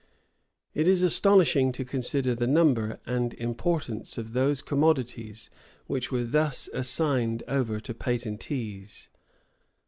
It is astonishing to consider the number and importance of those commodities which were thus assigned over to patentees.